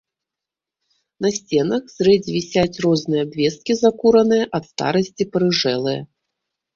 На сценах зрэдзь вісяць розныя абвесткі закураныя, ад старасці парыжэлыя.